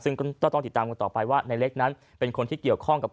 ซึ่งก็ต้องติดตามกันต่อไปว่าในเล็กนั้นเป็นคนที่เกี่ยวข้องกับ